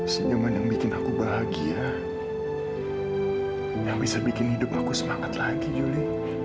senyaman yang bikin aku bahagia yang bisa bikin hidup aku semangat lagi juli